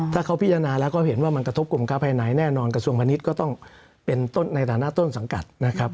ถ้าเขาพิจารณาแล้วก็เห็นว่ามันกระทบกลุ่มค้าภายในแน่นอนกระทรวงพาณิชย์ก็ต้องเป็นในฐานะต้นสังกัดนะครับ